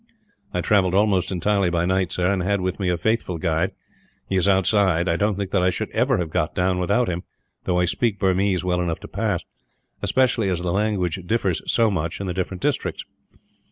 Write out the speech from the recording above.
"I travelled almost entirely by night, sir; and I had with me a faithful guide. He is outside. I don't think that I should ever have got down without him, though I speak Burmese well enough to pass especially as the language differs so much, in the different districts."